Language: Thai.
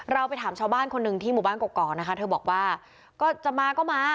ไปถามชาวบ้านคนหนึ่งที่หมู่บ้านกรอกนะคะเธอบอกว่าก็จะมาก็มา